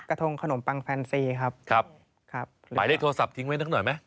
ทงขนมปังแฟนซีครับครับหมายเลขโทรศัพท์ทิ้งไว้สักหน่อยไหม